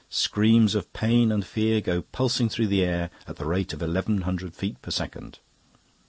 Screams of pain and fear go pulsing through the air at the rate of eleven hundred feet per second.